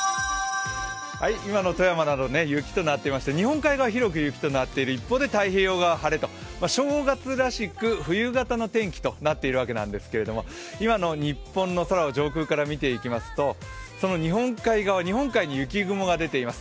今の富山など雪となっていまして日本海側は広く雪となっている一方で太平洋側は晴れと、正月らしく冬型の天気となっているわけなんですけれども今の日本の空を上空から見ていきますと日本海側、日本海に雪雲が出ています。